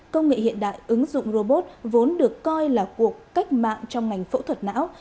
công nghệ hiện đại ứng dụng robot vốn được coi là cuộc cách mạng trong ngành phẫu thuật não